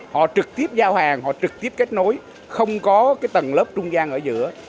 họ trực tiếp giao hàng họ trực tiếp kết nối không có cái tầng lớp trung gian ở giữa